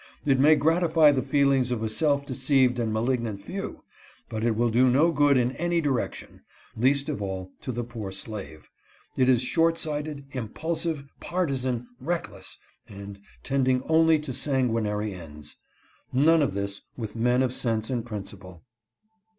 It may gratify the feelings of a self deceived and malignant few, but it will do no good in any direction ; least of all to the poor slave. It is short sighted, impulsive, partisan, reckless, and tending only to sanguinary ends. None of this with men of sense and principle.